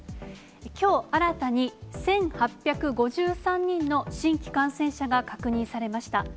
きょう、新たに１８５３人の新規感染者が確認されました。